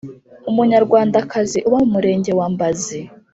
Umunyarwandakazi uba mu Murenge wa Mbazi